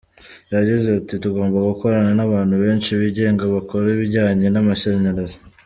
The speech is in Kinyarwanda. Yagize ati ”Tugomba gukorana n’abantu benshi bigenga bakora ibijyanye n’amashanyarazi.